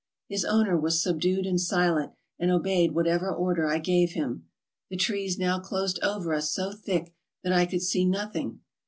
His owner was subdued and silent, and obeyed whatever order I gave him. The trees now closed over us so thick that I could see nothing.